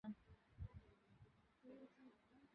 রাজলক্ষ্মী বিশ্বাস করিলেন না।